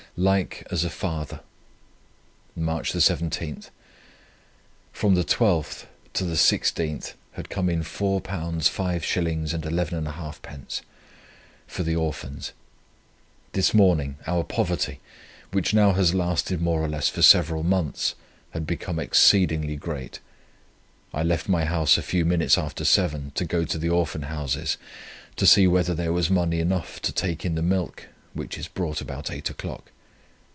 "LIKE AS A FATHER." "March 17. From the 12th to the 16th had come in £4 5s. 11½d. for the Orphans. This morning our poverty, which now has lasted more or less for several months, had become exceedingly great. I left my house a few minutes after seven to go to the Orphan Houses, to see whether there was money enough to take in the milk, which is brought about eight o'clock.